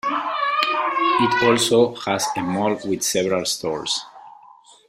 It also has a mall with several stores.